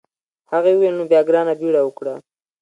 هغې وویل نو بیا ګرانه بیړه وکړه.